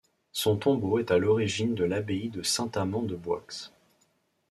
Son tombeau est à l'origine de l'abbaye de Saint-Amant-de-Boixe.